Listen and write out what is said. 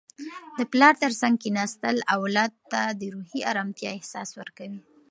د پلار تر څنګ کښیناستل اولاد ته د روحي ارامتیا احساس ورکوي.